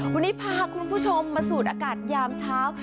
วันนี้พาคุณผู้ชมมาสูดอากาศยามเช้า